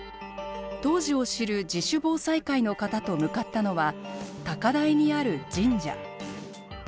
当時を知る自主防災会の方と向かったのは高台にある神社。